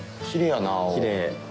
きれい。